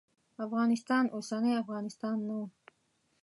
افغانستان اوسنی افغانستان نه و.